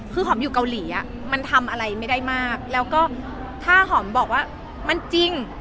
คือหอมอยู่เกาหลีอ่ะมันทำอะไรไม่ได้มากแล้วก็ถ้าหอมบอกว่ามันจริง